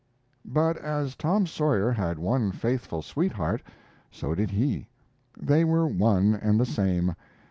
But, as Tom Sawyer had one faithful sweetheart, so did he. They were one and the same.